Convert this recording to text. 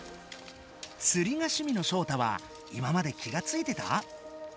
つりがしゅみのショウタは今まで気がついてた？